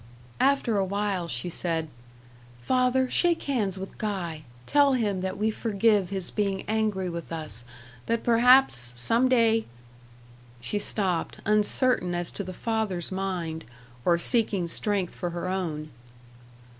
After a while she said, "Father, shake hands with Guy. Tell him that we forgive his being angry with us; that perhaps, some day " She stopped, uncertain as to the father's mind, or seeking strength for her own.